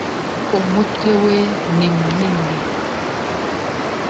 umutwe we nimunini.